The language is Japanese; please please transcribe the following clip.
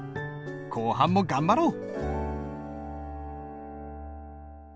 後半も頑張ろう。